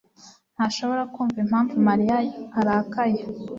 ntashobora kumva impamvu Mariya arakaye.